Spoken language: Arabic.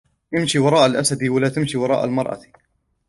امْشِ وَرَاءَ الْأَسَدِ وَلَا تَمْشِ وَرَاءَ الْمَرْأَةِ